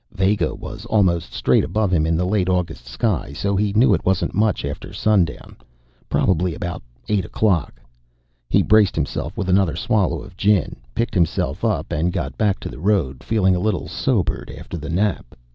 Vega was almost straight above him in the late August sky, so he knew it wasn't much after sundown probably about eight o'clock. He braced himself with another swallow of gin, picked himself up and got back to the road, feeling a little sobered after the nap.